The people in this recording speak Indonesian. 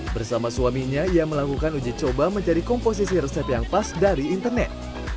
bersama suaminya ia melakukan uji coba mencari komposisi resep yang pas dari internet